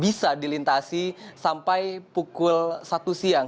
bisa dilintasi sampai pukul satu siang